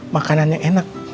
makanan yang enak